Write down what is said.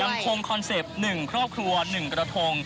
ยังคงคอนเซปต์๑ครอบครัว๑กระทง